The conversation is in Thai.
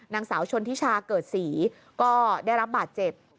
นางสาวชนทิชาเกิดศรีก็ได้รับบาดเจ็บ